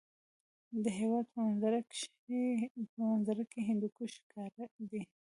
د هېواد په منظره کې هندوکش ښکاره دی.